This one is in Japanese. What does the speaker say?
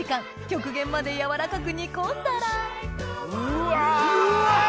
極限まで軟らかく煮込んだらうわ！